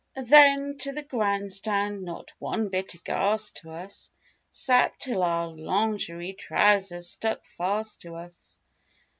Then, to the grand stand, not one bit aghast to us. Sat 'till our lingerie trousers stuck fast to us.